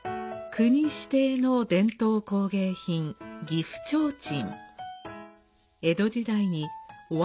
国指定の伝統工芸品、岐阜提灯。